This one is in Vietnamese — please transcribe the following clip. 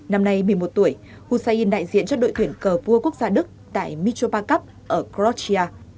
năm nay một mươi một tuổi hussein đại diện cho đội thuyền cờ vua quốc gia đức tại mitroparkup ở croatia